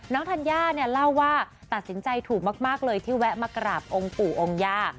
ธัญญาเนี่ยเล่าว่าตัดสินใจถูกมากเลยที่แวะมากราบองค์ปู่องค์ย่า